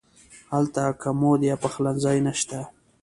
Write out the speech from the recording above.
هلته کمود یا پخلنځی نه شته.